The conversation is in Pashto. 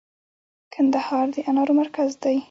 کندهار د انارو مرکز دی